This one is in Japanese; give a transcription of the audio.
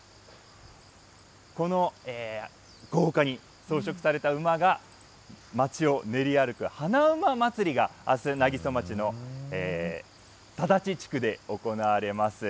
この豪華に装飾された馬が、町を練り歩く花馬祭りがあす、南木曽町の田立地区で行われます。